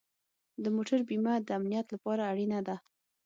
د موټر بیمه د امنیت لپاره اړینه ده.